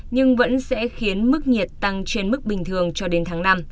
nhưng vẫn sẽ khiến mức nhiệt tăng trên mức bình thường cho đến tháng năm